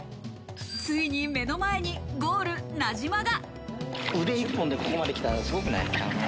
ついに目の前にゴール、名島が。